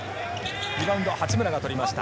リバウンド、八村が取りました。